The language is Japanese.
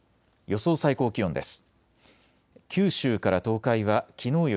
予想最高気温です。